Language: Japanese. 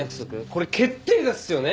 これ決定打ですよね。